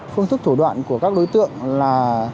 phương thức thủ đoạn của các đối tượng là